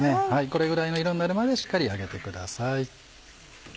これぐらいの色になるまでしっかり揚げてください。